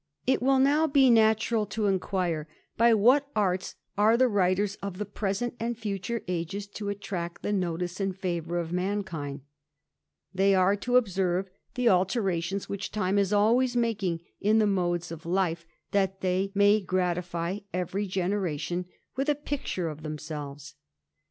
^37 It will now be natural to inquire, by what arts are the mters of the present and future ages to attract the notice md favour of mankind They are to observe the alterations B^bich time is always making in the modes of life, that they noay gratify every generation with a picture of themselves.